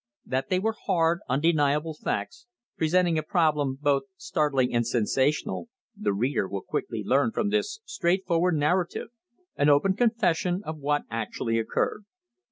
That they were hard, undeniable facts, presenting a problem both startling and sensational, the reader will quickly learn from this straightforward narrative an open confession of what actually occurred.